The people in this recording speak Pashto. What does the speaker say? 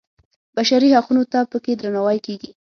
بشري حقونو ته په کې درناوی کېږي.